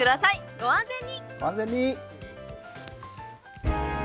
ご安全に。